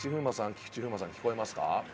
菊池風磨さん聞こえますか？